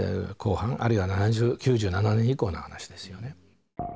あるいは９７年以降の話ですよね。